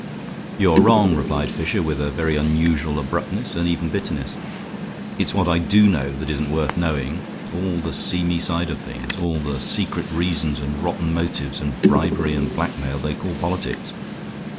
"You are wrong," replied Fisher, with a very unusual abruptness, and even bitterness. "It's what I do know that isn't worth knowing. All the seamy side of things, all the secret reasons and rotten motives and bribery and blackmail they call politics.